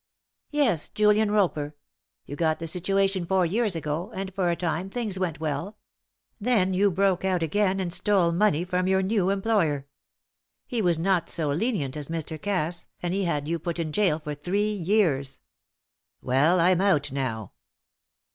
"Yes, Julian Roper. You got the situation four years ago, and for a time things went well; then you broke out again and stole money from your new employer. He was not so lenient as Mr. Cass, and he had you put in gaol for three years." "Well; I'm out now."